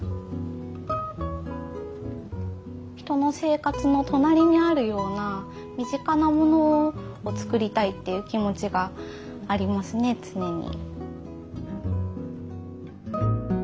人の生活の隣にあるような身近なものを作りたいっていう気持ちがありますね常に。